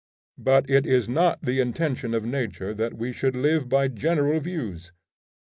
But it is not the intention of Nature that we should live by general views.